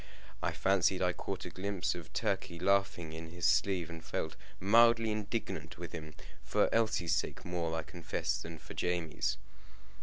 I fancied I caught a glimpse of Turkey laughing in his sleeve, and felt mildly indignant with him for Elsie's sake more, I confess, than for Jamie's.